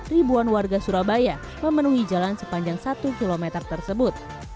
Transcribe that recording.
ribuan warga surabaya memenuhi jalan sepanjang satu km tersebut